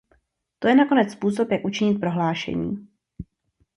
To je nakonec způsob, jak učinit prohlášení.